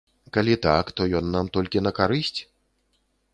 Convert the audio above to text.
Калі так, то ён нам толькі на карысць?